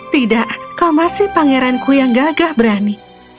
tidak kau masih pangeranku yang gagah berani